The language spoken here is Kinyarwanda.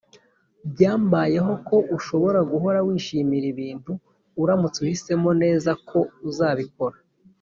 "byambayeho ko ushobora guhora wishimira ibintu uramutse uhisemo neza ko uzabikora."